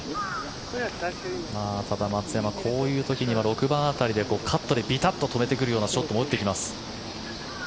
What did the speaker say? ただ、松山こういう時には６番辺りでカットでビタッと止めてくるようなショットも打っています。